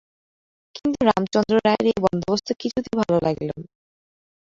কিন্তু রামচন্দ্র রায়ের এ বন্দোবস্ত কিছুতেই ভাল লাগিল না।